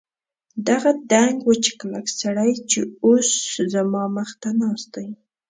دغه دنګ وچ کلک سړی چې اوس زما مخ ته ناست دی.